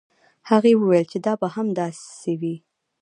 هغې وویل چې دا به هم داسې وي.